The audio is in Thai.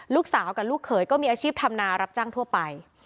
ลูกสาวกับลูกเขยก็มีอาชีพทำนารับจ้างทั่วไป